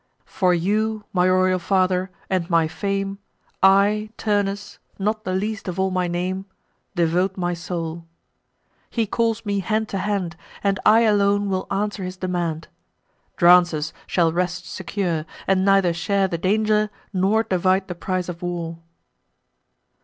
For you, my royal father, and my fame, I, Turnus, not the least of all my name, Devote my soul. He calls me hand to hand, And I alone will answer his demand. Drances shall rest secure, and neither share The danger, nor divide the prize of war."